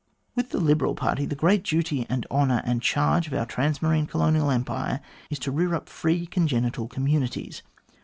With the Liberal Party, the great duty and honour and charge of our transmarine Colonial Empire is to rear up free congenital communities.